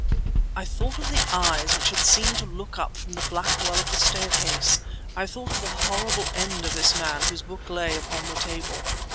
I thought of the eyes which had seemed to look up from the black well of the staircase—I thought of the horrible end of this man whose book lay upon the table